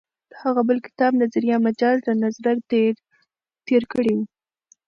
د هغه بل کتاب «نظریه مجاز» له نظره تېر کړی و.